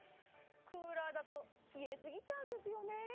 クーラーだと冷えすぎちゃうんですよね。